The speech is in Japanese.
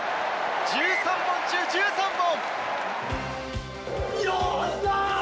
１３本中１３本！